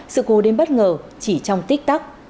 sự cố đến bất ngờ chỉ trong tích tắc